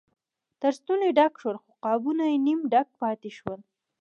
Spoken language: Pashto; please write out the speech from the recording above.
تر ستوني ډک شول خو قابونه یې نیم ډک پاتې شول.